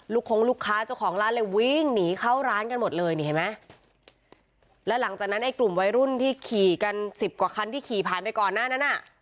คงลูกค้าเจ้าของร้านเลยวิ่งหนีเข้าร้านกันหมดเลยนี่เห็นไหมแล้วหลังจากนั้นไอ้กลุ่มวัยรุ่นที่ขี่กันสิบกว่าคันที่ขี่ผ่านไปก่อนหน้านั้นอ่ะ